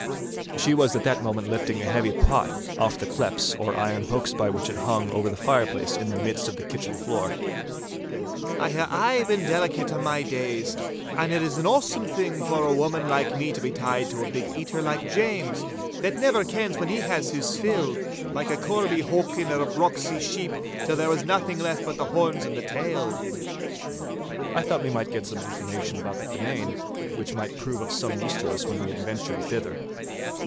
She was at that moment lifting a heavy iron pot off the cleps, or iron hooks by which it hung over the fireplace in the midst of the kitchen floor. 'I hae aye been delicate a' my days, and it is an awesome thing for a woman like me to be tied to a big eater like James, that never kens when he has his fill—like a corbie howkin' at a braxy sheep till there was naething left but the horns and the tail.' I thought we might get some information about the Benane, which might prove of some use to us when we adventured thither.